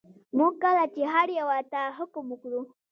موږ کله چې هر یوه ته حکم وکړو.